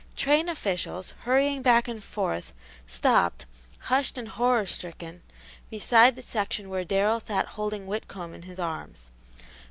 Train officials, hurrying back and forth, stopped, hushed and horror stricken, beside the section where Darrell sat holding Whitcomb in his arms.